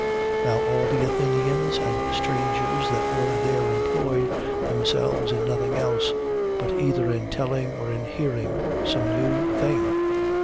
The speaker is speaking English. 17:21. (Now all the Athenians and strangers that were there employed themselves in nothing else, but either in telling or in hearing some new thing.)